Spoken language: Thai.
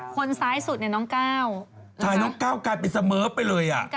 คุณก้องสวัสดีครับสวัสดีค่ะ